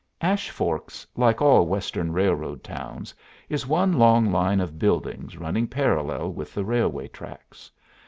Ash Forks, like all Western railroad towns, is one long line of buildings running parallel with the railway tracks.